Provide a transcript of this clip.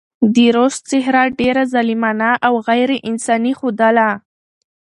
د روس څهره ډېره ظالمانه او غېر انساني ښودله.